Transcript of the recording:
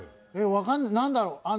分かんない、何だろう。